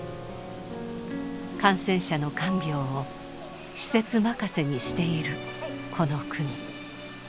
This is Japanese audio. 感染者の看病を施設任せにしているこの国。